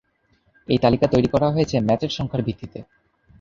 এই তালিকা তৈরি করা হয়েছে ম্যাচের সংখ্যার ভিত্তিতে।